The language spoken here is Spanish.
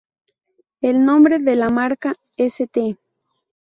El nombre de la marca 'St.